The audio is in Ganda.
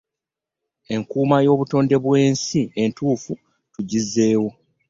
Enkuuma y'obutonde bw'ensi enteefu tugizzeewo.